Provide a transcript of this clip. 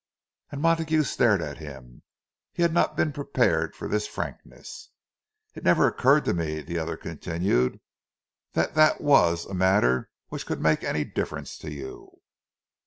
And Montague stared at him; he had not been prepared for this frankness. "It never occurred to me," the other continued, "that that was a matter which could make any difference to you."